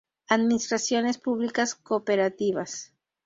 Administraciones Públicas Cooperativas.